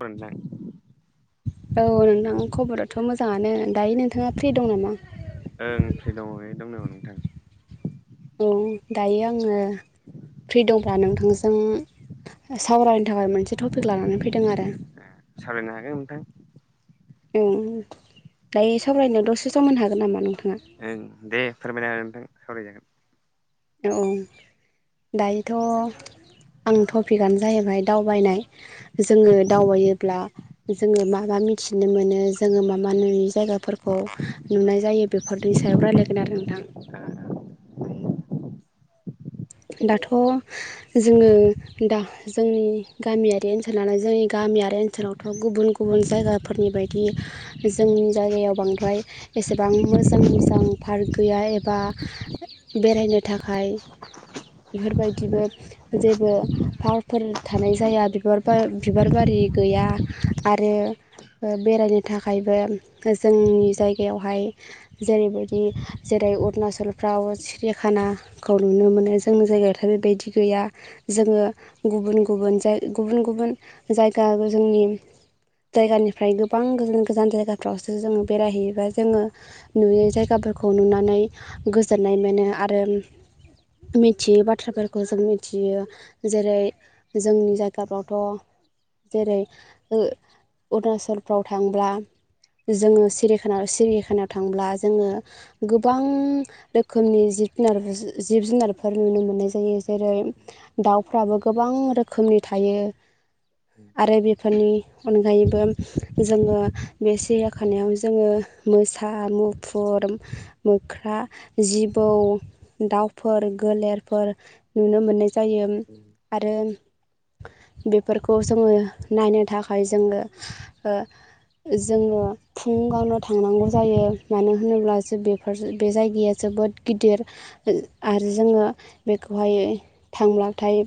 औ नोंथां औ नोंथां खबराथ' मोजाङानो दायो नोंथाङा फ्रि दं नामा ओं फ्रि दङ एकदम नङा नोंथां औ दायो आङो फ्रि दं। दा नोंथांजों सावरायनो थाखाय मोनसे टपिक लानानै फैदों आरो सावरायनो हागोन नोंथां औ दायो सावरायनायाव दसे समाव मोन हागोन नामा नोंथाङा ओं दे फोरमायना होदो नोंथां सावरायजागोन औ दायोथ' आं टपिकआनो जाहैबाय दावबायनाय जोङो दावबायोब्ला जोङो मा मा मिथिनो मोनो जोङो मा इ नुयि जायगाफोरखौ नुनाय जायो बेफोरनि सायाव रायज्लायगोन आरो नोंथां [unintelligible] दाथ' जोङो दा जोंनि गामियारि ओनसोल नालाय जोंनि गामियारि ओनसोलाव थ' गुबुन गुबुन जायगाफोरनि बायदि जोंनि जायगायाव बांद्राय एसेबां मोजां मोजां पार्क गैया एबा बेरायनो थाखाय बेफोरबायदिबो जेबो पारफोर थानाय जाया बिबार बिबार बारि गैया आरो बेरायनो थाखायबो जोंनि जायगायावहाय जेरैबायदि जेरै अरुणाचलफ्राव सिरिया खानाखौ नुनो मोनो जोंनि जायगायावथ' बेबायदि गैया जोङो गुबुन गुबुन जाय गुबुन गुबुन जायगा जोंनि जायगानिफ्राय गोबां गोजान गोजान जायगाफ्रावसो जोङो बेरायहैयोबा जोङो नुयै जायगाफोरखौ नुनानै गोजोननाय मोनो आरो मिथियोै बाथ्राफोरखौ जों मिथियो जेरै जोंनि जायगाफ्रावथ' जेरै अरुणाचलफ्राव थांब्ला जोङो सिरि सिरिखाना याव थांब्ला जोङो गोबां रोखोमनि जुनार जिब जुनारफोर नुनो मोननाय जायो जेरै दाउफ्राबो गोबां रोखोमनि थायो उम आरो बेफोरनि अनगायैबो जोङो बे सिरिया खानायाव जोङो मोसा मुफुर मोख्रा जिबौ दाउफोर गलेरफोर नुनो मोननाय जायो। आरो बेफोरखौ जोङो नायनो थाखाय जोङो ओ जोङो फुुंगावनो थांनांगौ जायो मानो होनोब्ला जो बेफोर बे जायगाया जोबोद गिदिर आरो जोङो बेखौहायो थांब्लाथाय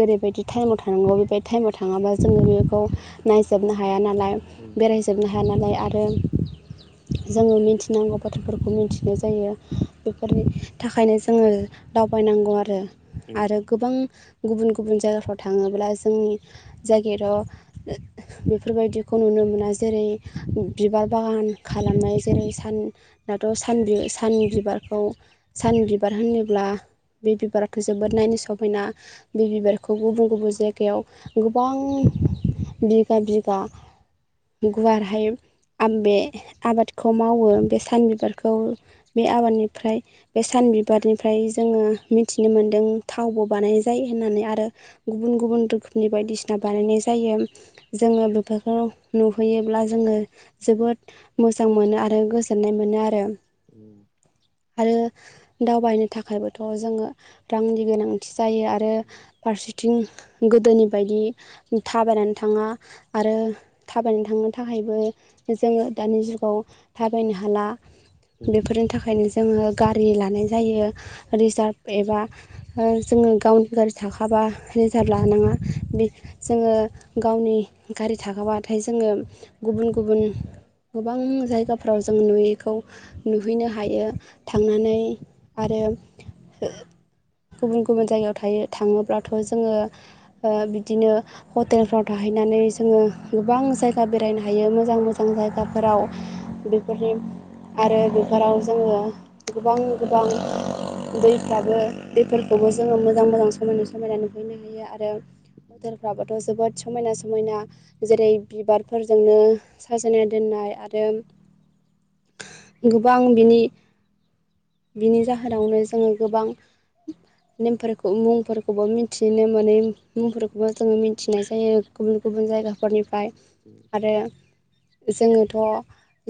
जेरैबायदि टाइमाव थांनांगौ बेबायदि टाइमाव थाङाबा जोङो बेखौ नायजोबनो हाया नालाय बेरायजोबनो हाया नालाय आरो जोङो मिथिनांगौ बाथ्राफोरखौ मिथिनाय जायो बेफोरनि थाखायनो ज जोङो दावबायनांगौ आरो आरो गोबां गुबुन गुबुन जायगाफ्राव थाङोब्ला जोंनि जायगेर ओ बेफोरबायदिखौ नुनो मोना जेरै बिबार बागान खालामनाय जेरै सान दाथ सान बि सान बिबारखौ सान बिबार होनोब्ला बे बिबाराथ' जोबोद नायनो समायना बे बिबारखौ गुबुन गुबुन जायगायाव गोबां बिगा बिगा गुवारहाय आ बे आबाद खौ मावो बे सान बिबारखौ बे आबादनिफ्राय बे सान बिब बिबारनिफ्राय जोङो मिथिनो मोनदों थावबो बानाय जायो होननानै आरो गुबुन गुबुन रोखोमनि बायदिसिना बानायनाय जायोम जोङो बेफोरखौ नुहैयोब्ला जोङो जोबोद मोजां मोनो आरो गोजोननाय मोनो आरो उम आरो दावबायनो थाखायबोथ जोङो रांनि गोनांथि जायो आरो फारसेथिं गोदोनि बायदि थाबायनानै थाङा आरो थाबायनो थांनो थाखायबो जोङो दानि जुगाव थाबायनो हाला बेफोरनि थाखायनो जोङो गारि लानाय जायो रिजार्भ एबा ओ जोङो गावनि गारि थाखाबा रिजार्भ लानाङा हो बे जोङो गावनि गारि थाखाबाथाय जोङो गुबुन गुबुन गोबां जायगाफ्राव जों नुयैखौ नुहैनो हायो थांनानै आरो ओ गुबुन गुबुन जायगायाव थायो थाङोब्लाथ जोङो हो ओ बिदिनो हो हटेलफ्राव थाहैनानै जोङो गोबां जायगा बेरायनो हायो मोजां मोजां जायगाफोराव हो बि बेफोरनि आरो बेफोराव जोङो गोबां गोबां दैफ्राबो दैफोरखौबो जोङो मोजां मोजां समायना समायना नुहैनो हायो आरो हटेल फोराबोथ जोबोद समायना समायना जेरै बिबारफोरजोंनो साजायनाय दोननाय आरो गोबां बिनि बिनि जाहोनावनो जोङो गोबां नेमफोरखौ मुंफोरखौबो मिथिनो मोनै मुंफोरखौबो जोङो मिथिनाय जायो गुबुन गुबुन जायगाफोरनिफ्राय [inaudible] आरो जोङोथ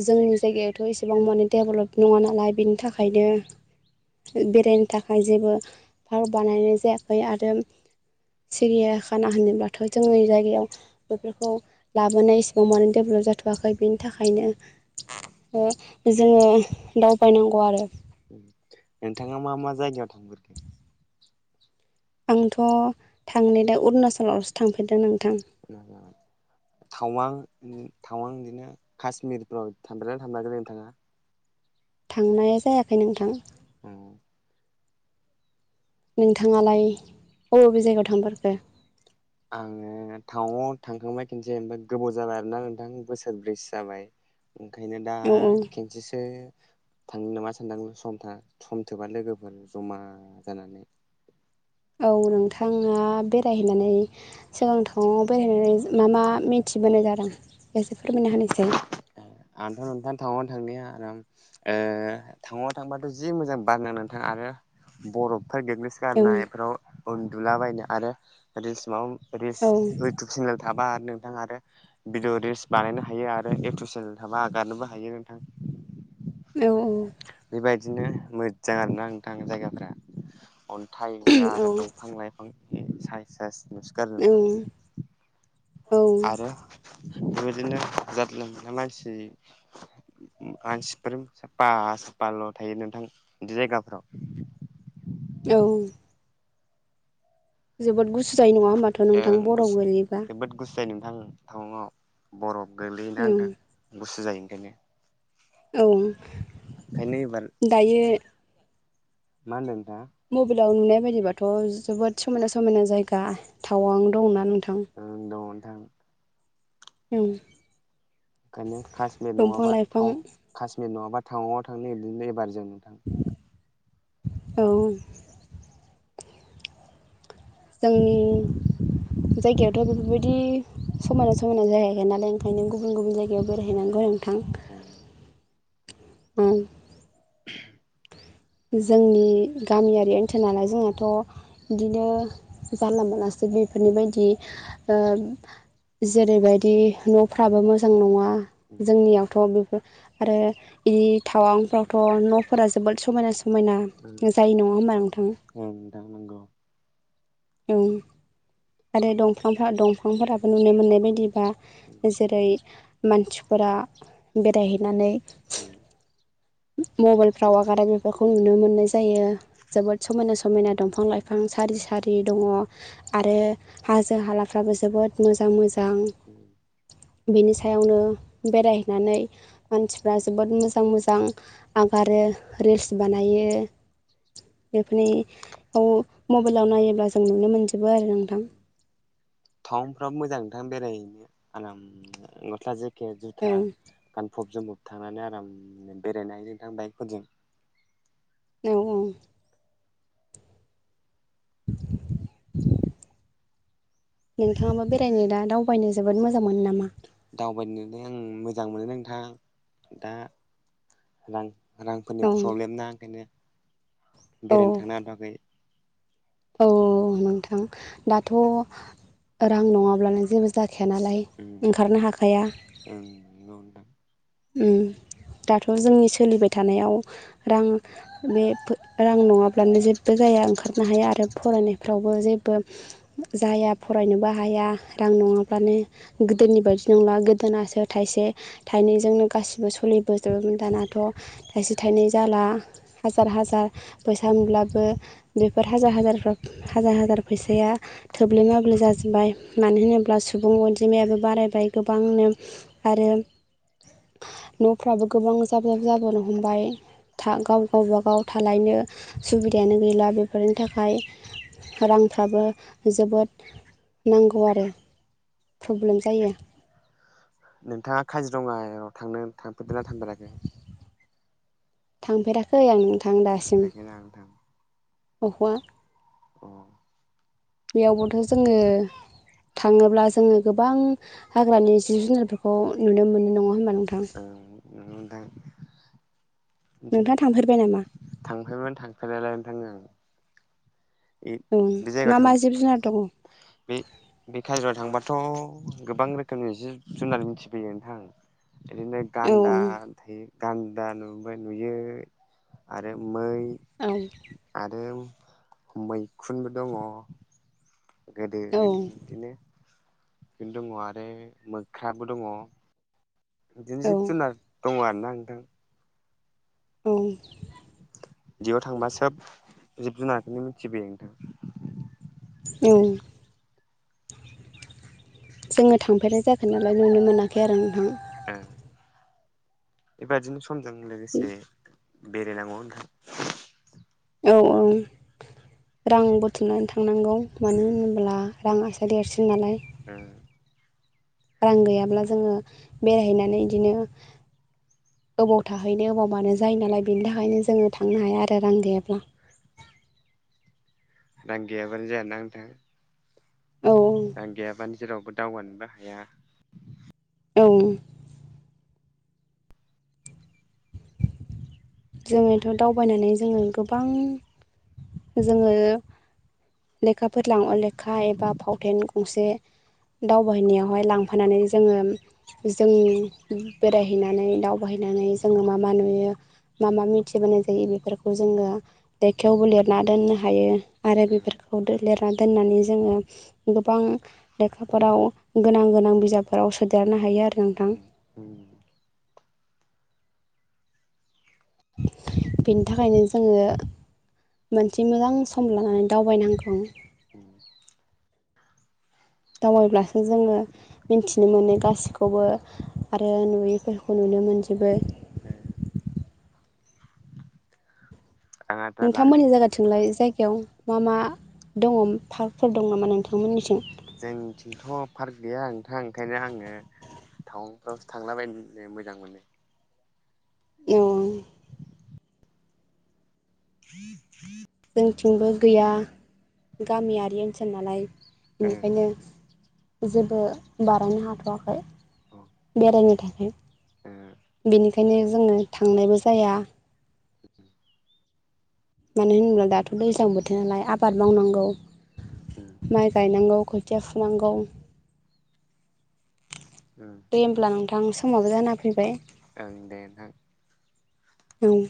जोंनि जायगायाथ' एसेबां माने डेभलप नङा नालाय बेनि थाखायनो बेरायनो थाखाय जेबो पार्क बानायनाय जायाखै आरो सिरिया खाना होनोब्लाथ जोंनि जायगायाव बेफोरखौ लाबोनाय इसेबां मानो डेभेलप जाथवाखै बेनि थाखायनो ओ जोङो दावबायनांगौ आरो उम नोंथाङा मा मा जायगायाव थांफेरखो आंथ थांनो दा उरणाचलावसो थांफेरदों नोंथां न [inaudible] थावां थावां बिदिनो कश्मिरफ्राव थांफेरगोनना थांफेराखै नोंथाङा थांनाय जायाखै नोंथां अ नोंथाङालाय अबे अबे जायगायाव थांफोरखो। आङो टावाङाव थांखांबाय खेनसे ओमफ्राय गोबाव जाबाय आरोना नोंथां बोसोरब्रैसो जाबाय ओंखायनो दा औ खेनसेसो थांनि नामा सानदांनो सम था सम थोबा लोगोफोर जमा जानानै औ नोंथाङा बेरायहैनानै जों टावाङाव‌ बेरायनानै मा मा मिथिबोनाय जादों इसे फोरमायना होनोसै ओ आंथ' नोंथां थांनो थांनाया आराम ओ टावाङाव थांबाथ' जि मोजां बार नांनानै थाङो आरो बरफफाय देरनो बे औ गनायफ्राव उन्दुला बायनो आरो रिलिस मा रिलस औ इउतुब चेनेल माबा आरो नोंथां आरो भिदिअ रिल्स बानायनो हायो आरो इउटुब चेनेल थाबा हागारनोबो हायो नोंथां औ औ बेबायदिनो मोजां आरोना नोंथां जायगाफ्रा अन्थाइजा औ आरो दंफां लाइफांनि साय स नुनो गारो नोंथां औ औ आरो बेबायदिनो जादला मादनाय मानसि मानसिफोर साफा साफाल' थायो नोंथां बिदि जायगाफ्राव औ जोबोद गुसु जायो नङा होनोमबाथ' नोंथां बराव गुसु गोलैबा जोबोद गुसु जायो नोंथां टावाव बरफ गोलैयो ना नोंथां औ गुसु जायो ओंखायनो औ ओंखायनो एबार दायो मा होनदों नोंथाङा मबाइलाव नुनाय बायदिबाथ' जोबोद समायना समायना जायगा टावां दंना नोंथां ओं दङ नोंथां ओं ओंखायनो काशमीर नङाबा लाइफां कशमीर नङाबा टाउनाव थांनो बिदिनो एबार जों नै नोंथां औ जोंनि जायगायावथ' बेफोरबायदि समायना समायना जायगा गैया नालाय ओंखायनो गुबुन गुबुन जायगायाव बेरायहैनांगौ नोंथां ओ [inaudible] जोंनि गामियारि ओनसोल नालाय जोंनाथ' बिदिनो जानला मोनालासे बेफोरनि बायदि ओ जेरैबायदि न'फ्राबो मोजां नङा जोंनियावथ' बेफोर आरो बे टावांफ्रावथ' न'फोरा जोबोद समायना स समायना जाय नङा ओमबा नोंथां उम नोंथां नांगौ ओं आरो दंफांफ्रा दंफांफोराबो नुनो मोननाय बायदिबा जेरै मानसिफोरा बेरायहैनानै [inaudible] मबाइलफ्राव आगारो बेफोरखौ नुनो मोननाय जायो जोबोद समायना समायना दंफां लाइ फां सारि सारि दङ' आरो हाजो हालाफ्राबो जोबोद मोजां मोजां उम बेनि सायावनो बेरायहैनानै मानसिफ्रा जोबोद मोजां मोजां आगारो आरो रिल्स बानायो बेफोरनियाव औ मबाइलाव नायोब्ला जों नुनो मोनजोबो आरो नोंथां थटाउफ्राबो मोजां नोंथां बेरायहैनो आराम गस्ला जे पकेट जुथा गानफब जोमफब थांनानै आरामनो बेरायनो नोंथां बाइकफोरजों औ औ नोंथाङाबा बेरायनो दा दाव फयनो जोबोद मोजां मोनो नामा? दावबायनोलाय आं मोजां मोनो नोंथां दा रां रांफोरनि औ प्रब्लेम ना ओंखायनो औ बेरायनो थांनो हाथ'आखै। औ नोंथां दाथ' रां नङाब्लानो जेबो जाखाया नालाय उम ओंखारनो हाखाया। ओं नंगौ नोंथां। उम दाथ' जोंनि सोलिबाय थानायाव रां बे फो रां नङाब्लानो जेबो जाया ओंखारनो हाया आरो नोंथां फरायनायफ्रावबो जेबो जाया फरायनोबो हाया रां नङाब्लानो गोदोनि बायदि नंला गोदोनासो थाइसे थाइनैजोंनो गासिबो सलि बोजोबोमोन दानाथ' थाइसे थाइनै जाला हाजार हाजार फैसा मोनब्लाबो बेफोर हाजार हाजार हाजार हाजार फैसाया थोब्ले माब्ले जाजोबबाय। मानो होनोब्ला सुबुं अनजिमायाबो बारायबाय गोबांनो आरो न'फ्राबो गोबां जाब जाब जाबोनो हमबाय था गाव गावबागाव थालायनो सुबिदायानो गैला बे फोरनि थाखाय रांफ्राबो जोबोद नांगौ आरो प्रब्लेम जायो नोंथाङा काजिरङा' थांनो थांफेरदों ना थांफेराखै? थांफेराखै आं नोंथां दासिम थांफेराखै ना नोंथां बखवा अ बेयावबोथ' जोङो थाङोब्ला जोङो गोबां हाग्रानि जिब जुनारफोरखौ नुनो मोनो नङा होमबा नोंथां? ओं नंगौ नोंथां। नोंथाङा थांफेरबाय नामा? थांफेरमोन थांफेरनायालाय नोंथां ओं ए ओं बे मा जायगायाव मा थां जिब जुनार दं बे बे काजिरयाव थांबाथ' गोबां रोखोमनि जिब जुनार मिथिफैयो नोंथां इदिनो औ गान्दा थायो गान्दा नुबाय नुयो आरो मै औ आरो मैखुनबो दङ ' गोदोनि इदिनोनो [unintelligible] दङ' आरो मोख्राबो दङ' बिदिनो औ जिब जुनार दङ आरोना नोंथां। औ। बेयाव थांबा सोब जिब जुनारखौनो मिथिबोयो नोंथां। उम। जोंङो थांफेरनाय जायाखै नालाय नुनो मोनाखै आरो नोंथां। ओ बेबादिनो समजों लोगोसे बेरायनांगौ नोंथां। औ औ। रां बुथुमनानै थांनांगौ मानो उम होनोब्ला रांआसो देरसिन नालाय ओ रां गैयाब्ला जोङो बेरायहैनानै इदिनो ओबाव थाहैनो ओबाव मानो उम जायो नालाय बेनि उम थाखायनो जोङो थांनो हाया आरो रां गैयाब्ला रां गैयाब्लानो जाया ना नोंथां औ रां गैयाब्लाानो जेरावबो दावगानोबो हाया। औ जोंङोथ' दावबायनानै जोंङो गोबां जोंङो लेखाफोर लां अ लेखा एबा फावथेन गंसे दावबाय हैनायावहाय लांफानानै जोंङो जों बेरायहैनानै दावबायहैनानै जोंङो मा मा नुयो? मा मा मिथिबोनाय जायो बेफोरखौ जोंङो लेखायावबो लिरना दोननो हायो। आरो उम बेफोरखौ लिरना दोननानै जोंङो गोबां लेखाफोराव गोनां गोनां बिजाबफोराव सोदेरनो हायो आरो नोंथां। ओम। बेनि थाखायनो जोंङो मोनसे मोजां सम लानानै दावबायनांगौ। उम दावबायब्लासो जोंङो मिन्थिनो मोनो गासैखौबो आरो नुयैफोरखौ नुनो मोनजोबो। ओ आं आद्रा ला नोंथांमोननि जायगाथिंलाय जायगायाव मा मा दङ पार्कफोर दङ नामा नोंथांमोननिथिं? जोंनिथिंथ' पार्क गैया नोंथां ओंखायनो आङो टावांफ्रावसो थांलाबायनो मोजां मोनो। ओम। [unintelligible] जोंथिंबो गैया गामियारि ओन्सोल नालाय ओ अ बेनिखायनो। जेबो बारायनो हाथवाखै ओ बेरायनो थाखाय। उम बेनिखायनो जोंङो थांनायबो जाया। [unintelligible] मानो होनोब्ला दाथ' दैज्लां बोथोर नालाय आबाद मावनांगौ। उम माइ गायनांगौ, खोथिया फुनांगौ। ओम। दे होमब्ला नोंथां समाबो जाना फैबाय। ओं दे नोंथां। ओं।